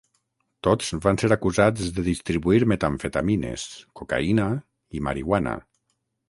Tots van ser acusats de distribuir metamfetamines, cocaïna i marihuana.